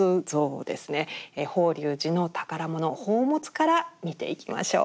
法隆寺の宝物宝物から見ていきましょう。